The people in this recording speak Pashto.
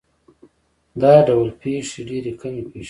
دا ډول پېښې ډېرې کمې پېښېږي.